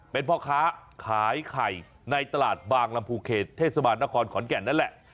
เป็นพ่อค้าขายไข่ในตลาดบางลำพูเขตเทศบาลนครขอนแก่นนั่นแหละ